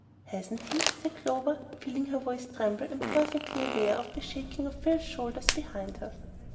"Hasn't he?" said Clover, feeling her voice tremble, and perfectly aware of the shaking of Phil's shoulders behind her.